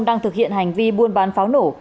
đang thực hiện hành vi buôn bán pháo nổ